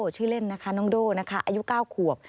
ชื่อเล่นนะคะน้องโด่นะคะอายุ๙ขวบ